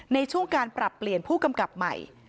ในช่วงการปรับเปลี่ยนผู้กำกับใหม่